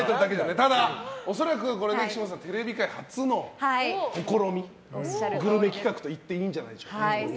ただ、恐らく岸本さんテレビ界初の試みグルメ企画といっていいんじゃないでしょうか。